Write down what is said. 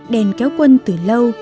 đèn cao quân từ lâu